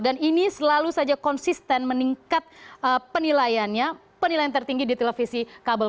dan ini selalu saja konsisten meningkat penilaiannya penilaian tertinggi di televisi kabel